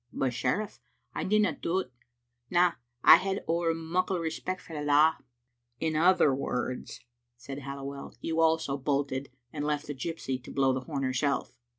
But, sheriff, I didna do't. Na, I had ower muckle re* spect for the law." "In other words," said Halliwell, "5'ou also bolted, and left the gypsy to blow the horn herself.